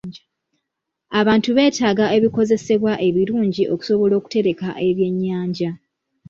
Abantu beetaaga ebikozesebwa ebirungi okusobola okutereka ebyennyanja.